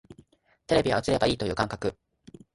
テレビは映ればいいという感覚